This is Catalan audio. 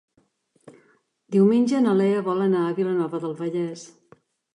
Diumenge na Lea vol anar a Vilanova del Vallès.